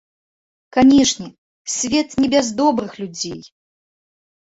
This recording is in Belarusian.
Канешне, свет не без добрых людзей.